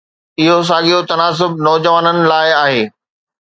اهو ساڳيو تناسب "نوجوانن" لاء آهي.